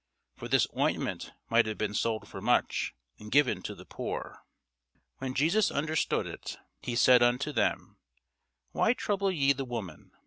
For this ointment might have been sold for much, and given to the poor. When Jesus understood it, he said unto them, Why trouble ye the woman?